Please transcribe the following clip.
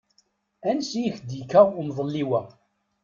Ansi k-d-yekka umḍelliw-a?